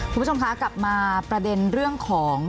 คุณผู้ชมคะกลับมาประเด็นเรื่องของ